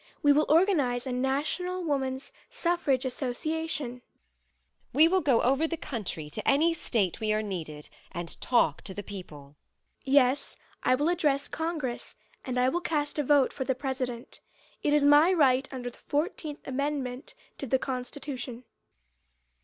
We will organize a National Women's Suffrage Association. MISS STANTON: We will go over the country to any state we are needed and talk to the people. MISS ANTHONY: Yes, I will address Congress and I will cast a vote for the President. It is my right under the Fourteenth Amendment to the Constitution.